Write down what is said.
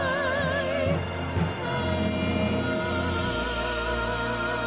แล้วก็ประสบนิกรชาวไทยตลอดไปครับ